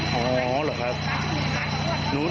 เพราะเขามาตกป้าหนูกว่า